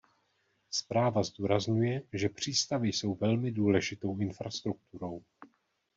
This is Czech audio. Zpráva zdůrazňuje, že přístavy jsou velmi důležitou infrastrukturou.